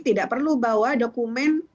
tidak perlu bawa dokumen